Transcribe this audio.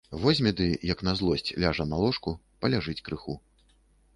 Возьме ды, як на злосць, ляжа на ложку, паляжыць крыху.